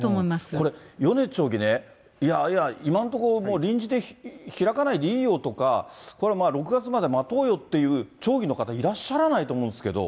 これ、米津町議ね、いや、今のところもう臨時で開かないでいいよとか、これは６月まで待とうようっていう町議の方いらっしゃらないと思うんですけど。